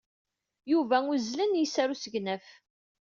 Yuba uzzlen yes-s ɣer usegnaf.